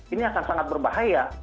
ini akan sangat berbahaya